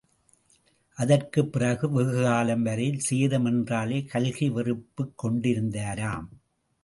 அதற்குப் பிறகு வெகுகாலம் வரையில் தேசம் என்றாலே கல்கி வெறுப்புக் கொண்டிருந்தாராம்.